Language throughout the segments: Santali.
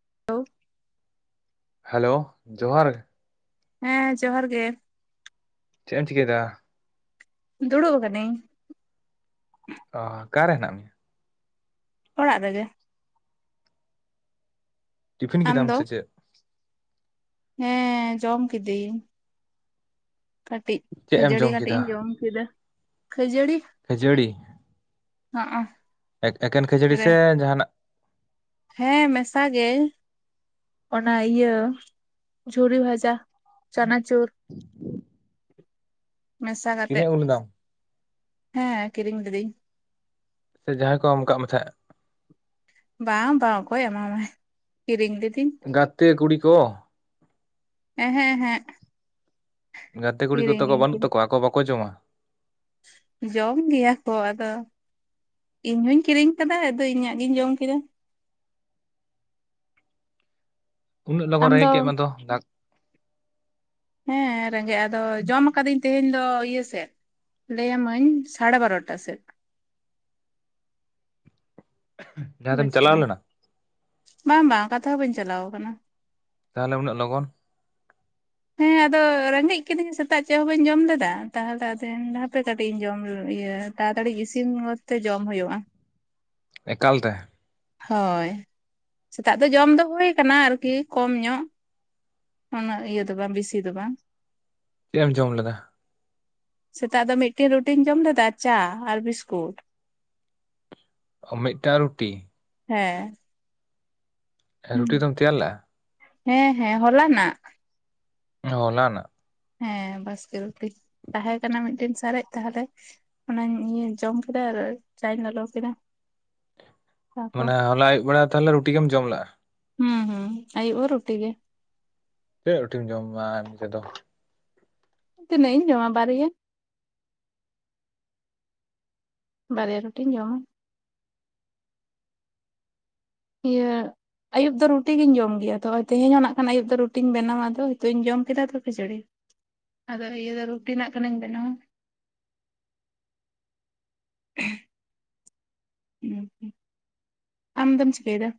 [unintelligible] ᱦᱮᱞᱳ ᱡᱚᱦᱟᱨ ᱦᱮᱸ ᱡᱚᱦᱟᱨ ᱜᱮ᱾ ᱪᱮ ᱮᱢ ᱪᱤᱠᱟᱹᱭᱫᱟ? ᱫᱩᱲᱩᱵ ᱠᱟᱹᱱᱤᱧ᱾ ᱚᱻ ᱟᱠᱟᱨᱮ ᱦᱮᱱᱟᱜ ᱢᱮᱭᱟ? ᱚᱲᱟᱜ ᱨᱮᱜᱮ᱾ ᱴᱤᱯᱷᱤᱱ ᱟᱢ ᱠᱮᱫᱟᱢ ᱫᱚ? ᱥᱮᱪᱮᱫ? ᱦᱮᱸ ᱡᱚᱢ ᱠᱤᱫᱤᱧ᱾ ᱠᱟᱹᱴᱤᱡ ᱪᱮᱫ ᱮᱢ ᱠᱷᱟᱹᱡᱟᱹᱲᱤ ᱡᱚᱢ ᱠᱟᱹᱴᱤᱡ ᱠᱮᱫᱟ ᱤᱧ ᱡᱚᱢ ᱠᱮᱫᱟ ᱠᱷᱟᱹᱡᱟᱹᱲᱤ ᱠᱷᱟᱹᱡᱟᱹᱲᱤ? ᱦᱚᱸᱜ-ᱚ ᱮᱠ ᱮᱠᱮᱱ ᱠᱷᱟᱹᱡᱟᱹᱲᱤ ᱥᱮ ᱡᱟᱦᱟᱱᱟᱜ? ᱦᱮᱸ ᱢᱮᱥᱟ ᱜᱮ᱾ ᱚᱱᱟ ᱤᱭᱟᱹ ᱡᱷᱩᱲᱤ ᱵᱷᱟᱡᱟ ᱪᱟᱱᱟᱪᱩᱨ᱾ [inaudible] ᱢᱮᱥᱟ ᱠᱤᱨᱤᱧ ᱠᱟᱛᱮᱜ ᱟᱹᱜᱩ ᱞᱮᱫᱟᱢ ᱦᱮᱸ ᱠᱤᱨᱤᱧ ᱞᱤᱫᱟᱹᱧ᱾ ᱥᱮ ᱡᱟᱦᱟᱸᱭ ᱠᱚ ᱮᱢ ᱟᱠᱟᱜ ᱢᱮ ᱛᱟᱦᱮᱸᱫ? ᱵᱟᱝ ᱵᱟᱝ ᱚᱠᱚᱭ ᱮᱢᱟᱢᱟᱭ ᱠᱤᱨᱤᱧ ᱞᱤᱫᱤᱧ᱾ ᱜᱟᱛᱮ ᱠᱩᱲᱤ ᱠᱚ᱾ ᱮᱸ ᱦᱮᱸᱜ ᱮᱸ ᱦᱮᱸᱜ ᱜᱟᱛᱮ ᱠᱩᱲᱤ ᱠᱚᱛᱚ ᱠᱚ ᱵᱟᱹᱱᱩᱜ ᱠᱤᱨᱤᱧ ᱛᱟᱠᱚᱣᱟ ᱟᱠᱚ ᱵᱟᱠᱚ ᱡᱚᱢᱟ? ᱡᱚᱢ ᱜᱮᱭᱟ ᱠᱚ ᱟᱫᱚ ᱤᱧ ᱦᱩᱧ ᱠᱤᱨᱤᱧ ᱟᱠᱟᱫᱟ ᱟᱫᱚ ᱤᱧᱟᱹᱜ ᱜᱤᱧ ᱡᱚᱢ ᱠᱮᱫᱟ᱾ ᱩᱱᱟᱹᱜ ᱞᱚᱜᱚᱱ ᱟᱢ ᱫᱚ ᱨᱮᱸᱜᱮᱡ ᱠᱮᱜ ᱢᱮᱫᱚ ᱫᱟᱜ ᱦᱮᱸ ᱨᱮᱸᱜᱮᱡ ᱟᱫᱚ ᱡᱚᱢ ᱟᱠᱟᱫᱟᱹᱧ ᱛᱮᱦᱮᱧ ᱫᱚ ᱤᱭᱟᱹ ᱥᱮᱫ᱾ ᱞᱟᱹᱭ ᱟᱹᱢᱟᱹᱧ ᱥᱟᱲᱮ ᱵᱟᱨᱚᱴᱟ ᱥᱮᱫ᱾ ᱡᱟᱦᱟᱸ ᱵᱩᱡᱽ ᱛᱮᱢ ᱪᱟᱞᱟᱣ ᱠᱮᱫᱟᱢ ᱞᱮᱱᱟ ᱵᱟᱝ ᱵᱟᱝ ᱚᱠᱟ ᱛᱮᱦᱚᱸ ᱵᱟᱹᱧ ᱪᱟᱞᱟᱣ ᱠᱟᱱᱟ᱾ ᱛᱟᱦᱚᱞᱮ ᱩᱱᱟᱹᱜ ᱞᱚᱜᱚᱱ? ᱦᱮᱸ ᱟᱫᱚ ᱨᱮᱸᱜᱮᱡ ᱠᱤᱫᱤᱧᱟ ᱥᱮᱛᱟᱜ ᱪᱮᱫ ᱦᱚᱸ ᱵᱟᱹᱧ ᱡᱚᱢ ᱞᱮᱫᱟ ᱛᱟᱦᱚᱞᱮ ᱟᱫᱚᱧ ᱢᱮᱱ ᱦᱟᱯᱮ ᱯᱮ ᱠᱟᱹᱴᱤᱡ ᱤᱧ ᱡᱚᱢ ᱤᱭᱟᱹ ᱛᱟᱲᱟᱛᱟᱲᱤ ᱤᱥᱤᱱ ᱜᱚᱛ ᱛᱮ ᱡᱚᱢ ᱦᱩᱭᱩᱜᱼᱟ᱾ ᱮᱠᱟᱞ ᱛᱮ ᱦᱳᱭ ᱥᱮᱛᱟᱜ ᱫᱚ ᱡᱚᱢ ᱫᱚ ᱦᱩᱭ ᱟᱠᱟᱱᱟ ᱟᱨᱠᱤ ᱠᱚᱢ ᱧᱚᱜ᱾ ᱩᱱᱟᱹᱜ ᱤᱭᱟᱹ ᱫᱚ ᱵᱟᱝ ᱵᱮᱥᱤ ᱫᱚ ᱵᱟᱝ᱾ ᱪᱮᱫ ᱮᱢ ᱡᱚᱢ ᱞᱮᱫᱟ? ᱥᱮᱛᱟᱜ ᱫᱚ ᱢᱤᱫ ᱴᱮᱱ ᱨᱩᱴᱤᱧ ᱡᱚᱢ ᱞᱮᱫᱟ ᱪᱟ ᱟᱨ ᱵᱤᱥᱠᱩᱴ᱾ ᱦᱚᱸ ᱢᱤᱫᱴᱟᱝ ᱨᱩᱴᱤ᱾ ᱦᱮᱸ ᱨᱩᱴᱤ ᱫᱚᱢ ᱛᱮᱭᱟᱨ ᱞᱮ-ᱟ? ᱦᱮᱸ ᱦᱮᱸ ᱦᱚᱞᱟᱱᱟᱜ᱾ ᱦᱚᱞᱟᱱᱟᱜ? ᱦᱮᱸ ᱵᱟᱥᱠᱮ ᱨᱩᱴᱤ ᱛᱟᱦᱮᱸ ᱠᱟᱱᱟ ᱢᱤᱫᱴᱤᱱ ᱥᱟᱨᱮᱡ ᱛᱟᱦᱚᱞᱮ᱾ ᱚᱱᱟᱧ ᱤᱭᱟᱹᱧ ᱡᱚᱢ ᱠᱮᱫᱟ ᱟᱨ ᱪᱟᱧ ᱞᱚᱞᱚ ᱠᱮᱫᱟ᱾ ᱛᱟᱨᱯᱚᱨ ᱢᱟᱱᱮ ᱦᱚᱞᱟ ᱟᱹᱭᱩᱵ ᱵᱮᱲᱟ ᱛᱟᱦᱚᱞᱮ ᱨᱩᱴᱤ ᱜᱮᱢ ᱡᱚᱢ ᱞᱮᱼᱟ᱾ ᱦᱩᱸ ᱦᱩᱸ ᱟᱭᱩᱵ ᱦᱚᱸ ᱨᱩᱴᱤ ᱜᱮ ᱛᱤᱱᱟᱹᱜ ᱨᱩᱴᱤᱢ ᱡᱚᱢᱟ ᱤᱱᱠᱟᱹ ᱫᱚ ᱛᱤᱱᱟᱹᱜ ᱤᱧ ᱡᱚᱢᱟ ᱵᱟᱨᱭᱟ ᱵᱟᱨᱭᱟ ᱨᱩᱴᱤᱧ ᱡᱚᱢᱟ ᱤᱭᱟᱹ ᱟᱹᱭᱩᱵ ᱫᱚ ᱨᱩᱴᱤ ᱜᱤᱧ ᱡᱚᱢ ᱜᱮᱭᱟ ᱛᱚ ᱛᱮᱦᱮᱧ ᱦᱚᱱᱟᱜ ᱠᱷᱟᱱ ᱟᱹᱭᱩᱵ ᱛᱮ ᱨᱩᱴᱤᱧ ᱵᱮᱱᱟᱣᱟ ᱟᱫᱚ ᱱᱤᱛᱚᱜ ᱡᱚᱢ ᱠᱮᱫᱟ ᱛᱚ ᱠᱷᱟᱡᱟ. ᱲᱤ ᱟᱫᱚ ᱤᱭᱟᱹ ᱨᱩᱴᱤ ᱱᱟᱜ ᱠᱷᱟᱱ ᱤᱧ ᱵᱮᱱᱟᱣᱟ ᱦᱚᱸ ᱟᱢ ᱫᱚᱢ ᱪᱤᱠᱟᱹᱭᱮᱫᱟ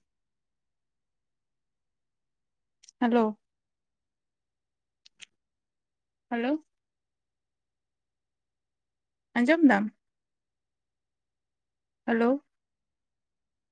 ᱦᱟᱞᱳ ᱦᱟᱞᱳ ᱟᱸᱡᱚᱢ ᱫᱟᱢ ᱦᱟᱞᱚ